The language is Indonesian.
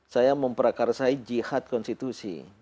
saya memperakarsai jihad konstitusi